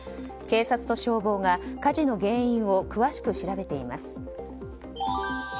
警察と消防が火事の原因を詳しく調べています。